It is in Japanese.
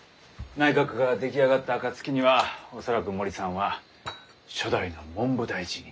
内閣が出来上がった暁には恐らく森さんは初代の文部大臣になる。